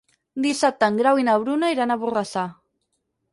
Dissabte en Grau i na Bruna iran a Borrassà.